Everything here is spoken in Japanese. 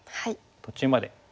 途中まで。